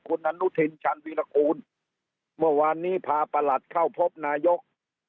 คุณอนุทินชาญวีรกูลเมื่อวานนี้พาประหลัดเข้าพบนายก